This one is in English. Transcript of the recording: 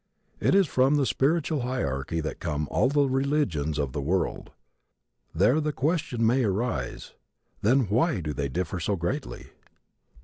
It is from the spiritual hierarchy that come all the religions of the world. There the question may arise, "Then why do they differ so greatly?"